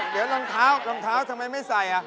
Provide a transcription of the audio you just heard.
เดี๋ยวรองเท้ารองเท้าทำไมไม่ใส่